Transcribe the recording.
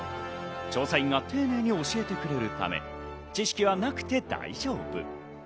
調査員が丁寧に教えてくれるため、知識がなくて大丈夫。